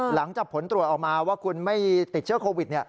หลังจากผลตรวจออกมาว่าคุณไม่ติดเชื้อโควิด